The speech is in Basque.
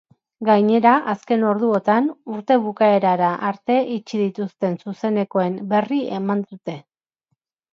Gainera, azken orduotan urte bukaerara arte itxita dituzten zuzenekoen berri eman dyte.